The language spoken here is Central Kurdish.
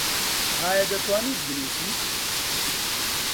ئایا دەتوانیت بنووسیت؟